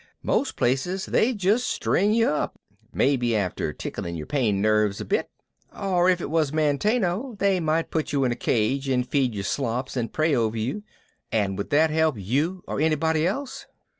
Most places they'd just string you up, maybe after tickling your pain nerves a bit, or if it was Manteno they might put you in a cage and feed you slops and pray over you, and would that help you or anybody else?